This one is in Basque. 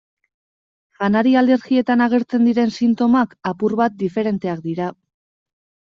Janari-alergietan agertzen diren sintomak apur bat diferenteak dira.